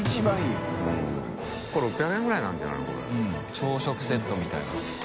朝食セットみたいな。